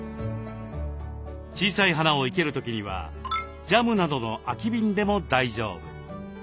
小さい花を生ける時にはジャムなどの空き瓶でも大丈夫。